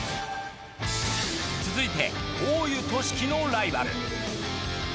続いて大湯都史樹のライバル。